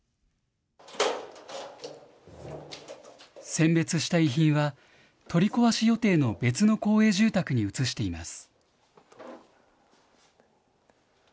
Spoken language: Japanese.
選別した遺品は、取り壊し予定の別の公営住宅に移しています。